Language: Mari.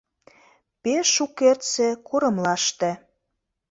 Пеш шукертсе курымлаште